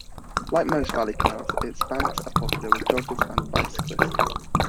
Like most Valley canals, its banks are popular with joggers and bicyclists.